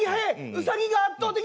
ウサギが圧倒的に速い！